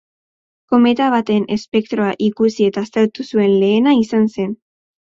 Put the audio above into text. Kometa baten espektroa ikusi eta aztertu zuen lehena izan zen.